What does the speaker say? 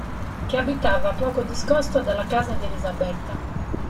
Che abitava poco discosto dalla casa di Elisabetta.